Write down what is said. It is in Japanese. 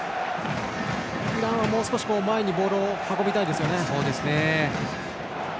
イランはもう少し前にボールを運びたいですね。